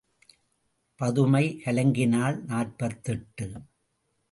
பதுமை கலங்கினாள் நாற்பத்தெட்டு.